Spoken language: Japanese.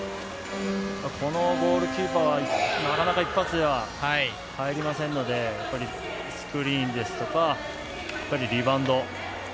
このゴールキーパーはなかなか一発では入りませんので、スクリーンですとか、リバウンド。